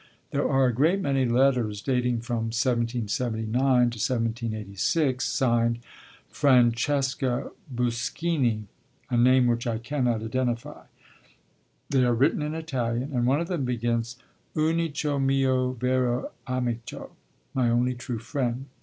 There are a great many letters, dating from 1779 to 1786, signed 'Francesca Buschini,' a name which I cannot identify; they are written in Italian, and one of them begins: Unico Mio vero Amico ('my only true friend').